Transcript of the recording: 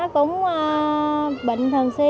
bệnh thường xuyên